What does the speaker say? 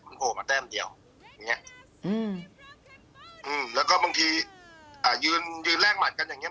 มันโผล่มาแต้มเดียวอย่างเงี้ยแล้วก็บางทียืนแรกหมัดกันอย่างเงี้ย